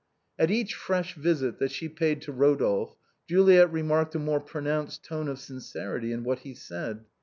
At each fresh visit that she paid to Rodolphe Juliet re marked a more pronounced tone of sincerity in what he said.